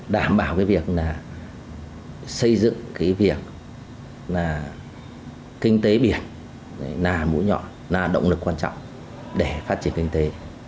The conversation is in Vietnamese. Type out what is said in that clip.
đảm bảo việc xây dựng kinh tế biển là mũi nhỏ là động lực quan trọng để phát triển kinh tế